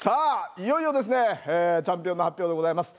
いよいよですねチャンピオンの発表でございます。